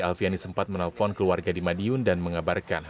alfiani sempat menelpon keluarga di madiun dan mengabarkan